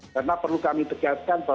karena perlu kami tegaskan